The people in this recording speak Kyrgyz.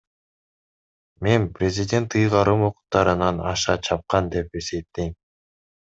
Мен президент ыйгарым укуктарынан аша чапкан деп эсептейм.